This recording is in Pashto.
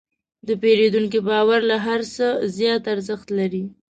د پیرودونکي باور له هر څه زیات ارزښت لري.